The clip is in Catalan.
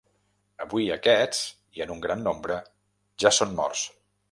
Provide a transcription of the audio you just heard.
Avui, aquests, i en un gran nombre, són ja morts.